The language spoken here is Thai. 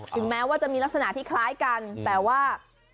ถึงแม้ว่าจะมีลักษณะที่คล้ายกันแต่ว่า